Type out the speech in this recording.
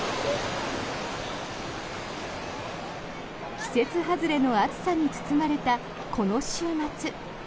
季節外れの暑さに包まれたこの週末。